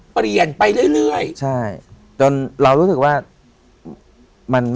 เปลี่ยนไปเรื่อย